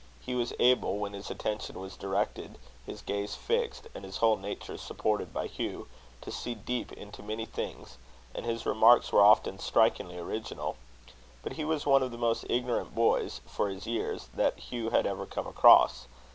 He was able, when his attention was directed, his gaze fixed, and his whole nature supported by Hugh, to see deep into many things, and his remarks were often strikingly original; but he was one of the most ignorant boys, for his years, that Hugh had ever come across.